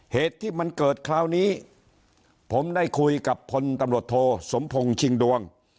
เหตุที่มันเกิดคราวนี้ผมได้คุยกับพลตำรวจโทสมพงศ์ชิงดวง